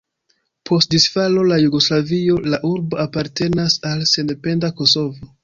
Post disfalo de Jugoslavio la urbo apartenas al sendependa Kosovo.